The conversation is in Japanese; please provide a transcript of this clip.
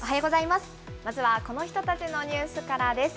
まずはこの人たちのニュースからです。